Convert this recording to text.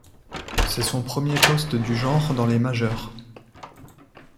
C'est son premier poste du genre dans les majeures.